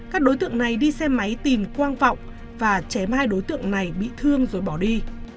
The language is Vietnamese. các đối tượng này đi xe máy tìm quang vọng và chém hai đối tượng này bị thương rồi bỏ đi